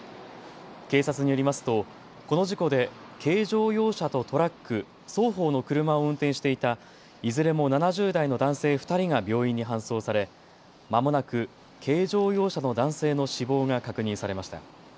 警察によりますとこの事故で軽乗用車とトラック、双方の車を運転していたいずれも７０代の男性１人が病院に搬送されまもなく軽乗用車の男性の死亡が確認されました。